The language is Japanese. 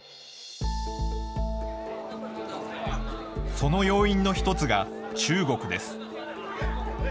その要因の一つが中国です。